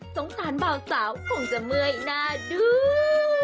สงสารบ่าวสาวคงจะเมื่อยหน้าดู